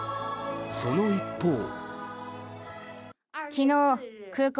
その一方。